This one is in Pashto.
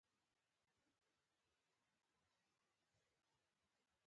په کورونو کې به ماشومانو،